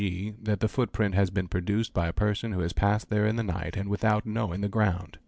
g., that the footprint has been produced by a person who has passed there in the night and without knowing the ground.